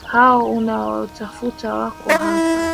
Hao unaowatafuta hawako hapa